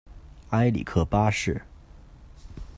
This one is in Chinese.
埃里克八世。